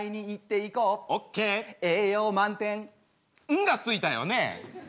「ん」がついたよね！？